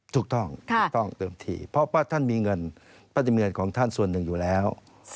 ถูกต้องเพราะว่าท่านมีเงินของท่านส่วนนึงอยู่แล้ว